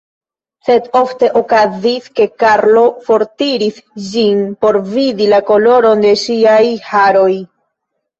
Sed ofte okazis, ke Karlo fortiris ĝin por vidi la koloron de ŝiaj haroj.